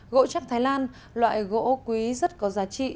gỗ chắc thái lan loại gỗ quý rất có giá trị